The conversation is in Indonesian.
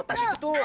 tas itu tuh